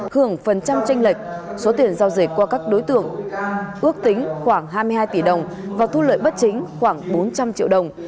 hưởng phần trăm tranh lệch số tiền giao dịch qua các đối tượng ước tính khoảng hai mươi hai tỷ đồng và thu lợi bất chính khoảng bốn trăm linh triệu đồng